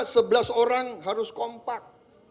sebelas orang harus kompak